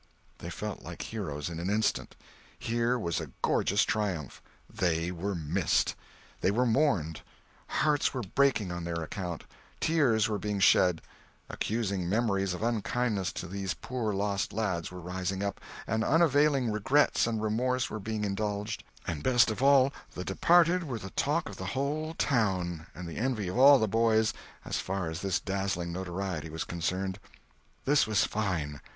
They felt like heroes in an instant. Here was a gorgeous triumph; they were missed; they were mourned; hearts were breaking on their account; tears were being shed; accusing memories of unkindness to these poor lost lads were rising up, and unavailing regrets and remorse were being indulged; and best of all, the departed were the talk of the whole town, and the envy of all the boys, as far as this dazzling notoriety was concerned. This was fine.